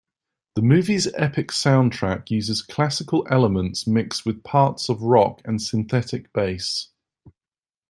The movie's epic soundtrack uses classical elements mixed with parts of rock and synthetic bass.